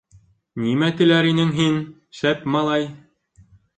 Нимә теләр инең һин, шәп малай?